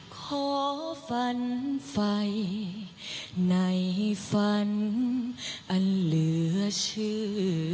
ขอฝันไฟในฝันอันเหลือชื่อ